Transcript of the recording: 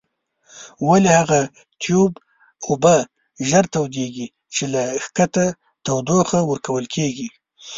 ولې هغه تیوب اوبه ژر تودیږي چې له ښکته تودوخه ورکول کیږي؟